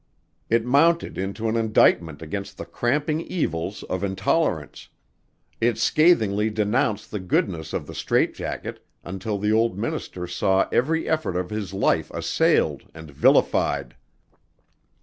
It mounted into an indictment against the cramping evils of intolerance, it scathingly denounced the goodness of the strait jacket until the old minister saw every effort of his life assailed and vilified.